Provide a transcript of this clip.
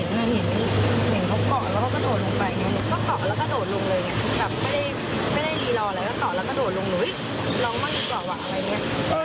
ไม่ได้รีลออะไรก็เกาะแล้วก็กระโดดลง